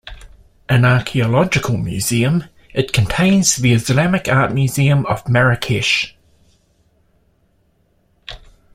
An archaeological museum, it contains the Islamic Art Museum of Marrakech.